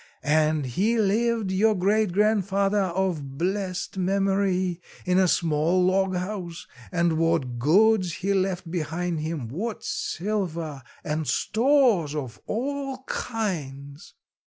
And he lived, your great grandfather of blessed memory, in a small log house; and what goods he left behind him, what silver, and stores of all kinds!